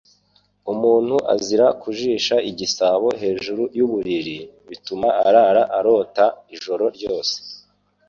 Umuntu azira kujisha igisabo hejuru y’uburiri, bituma arara arota ijoro ryose